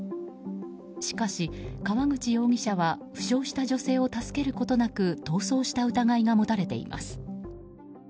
しかし、川口容疑者は負傷した女性を助けることなく逃走した疑いが持たれています。